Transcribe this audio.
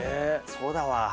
そうだわ。